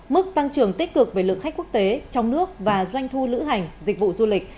mức tăng trưởng tích cực về lượng khách quốc tế trong nước và doanh thu lữ hành dịch vụ du lịch